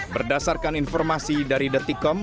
berdasarkan informasi dari the ticom